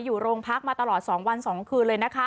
อยู่โรงพักมาตลอด๒วัน๒คืนเลยนะคะ